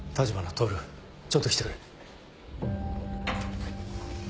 透ちょっと来てくれ。